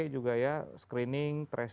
juga ya screening